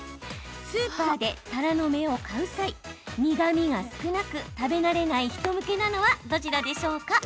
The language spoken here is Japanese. スーパーで、たらの芽を買う際苦みが少なく食べ慣れない人向けなのはどちらでしょうか？